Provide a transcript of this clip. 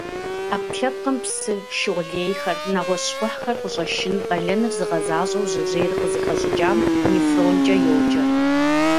Ӏэпкълъэпкъым псы, шыгъу лейхэр, нэгъуэщӀ щхъухьхэр къыщӀэшын къалэныр зыгъэзащӀэу жьэжьейр къызыхэщӀыкӀам нефронкӀэ йоджэр.